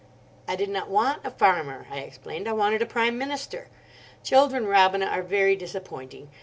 "I did not want a farmer," I explained; "I wanted a Prime Minister. Children, Robina, are very disappointing.